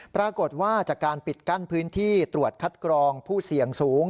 ปรากฏว่าจากการปิดกั้นพื้นที่ตรวจคัดกรองผู้เสี่ยงสูง